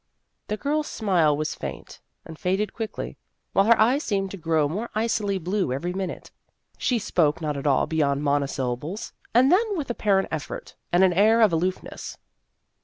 The girl's smile was faint, and faded quickly, while her eyes seemed to grow more icily blue every minute. She spoke not at all beyond monosyllables, and then with apparent effort and an air of aloof ness.